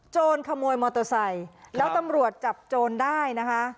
ขโมยมอเตอร์ไซค์แล้วตำรวจจับโจรได้นะคะ